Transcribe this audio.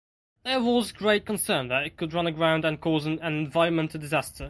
There was great concern that it could run aground and cause an environmental disaster.